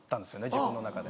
自分の中で。